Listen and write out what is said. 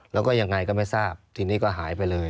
แล้วก็ยังไงก็ไม่ทราบทีนี้ก็หายไปเลย